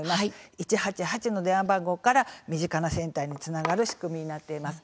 １８８の電話番号から身近なセンターにつながる仕組みになっています。